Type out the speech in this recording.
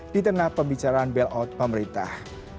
di tengah pembicaraan bailout pemerintah